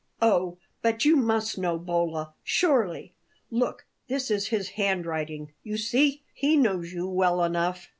"Oh, but you must know Bolla, surely! Look, this is his handwriting. You see, he knows you well enough."